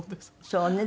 そうね。